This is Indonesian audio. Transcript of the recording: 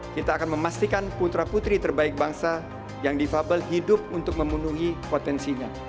kita akan memastikan putra putri terbaik bangsa yang difabel hidup untuk memenuhi potensinya